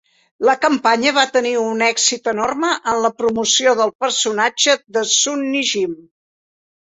La campanya va tenir un èxit enorme en la promoció del personatge de Sunny Jim.